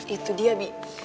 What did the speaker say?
itu dia bi